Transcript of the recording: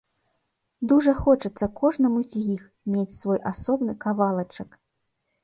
Дужа хочацца кожнаму з іх мець свой асобны кавалачак.